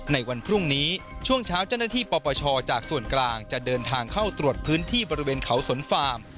ในวันพรุ่งนี้ช่วงเช้าเจ้าหน้าที่ปปชจากส่วนกลางจะเดินทางเข้าตรวจพื้นที่บริเวณเขาสนฟาร์ม